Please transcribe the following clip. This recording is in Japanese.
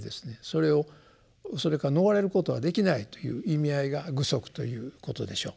それをそれから逃れることはできないという意味合いが具足ということでしょう。